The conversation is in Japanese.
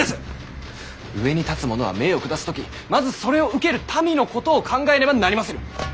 上に立つものは命を下す時まずそれを受ける民のことを考えねばなりませぬ。